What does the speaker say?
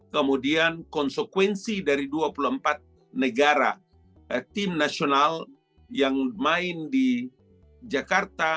kemudian konsekuensi dari dua puluh empat negara tim nasional yang main di jakarta